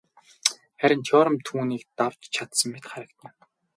Харин Теорем түүнийг давж чадсан мэт харагдана.